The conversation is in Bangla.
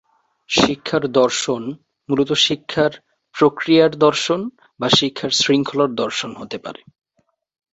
শিক্ষার দর্শন মূলত শিক্ষার প্রক্রিয়ার দর্শন বা শিক্ষার শৃঙ্খলার দর্শন হতে পারে।